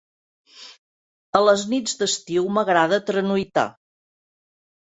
A les nits d'estiu m'agrada tranuitar.